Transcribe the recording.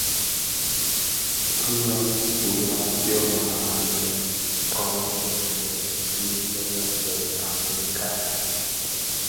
Bi ñyon yon a fyoma anèn Kō dhesèè min lè be amerikana,